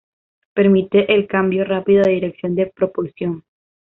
Permite el cambio rápido de dirección de propulsión.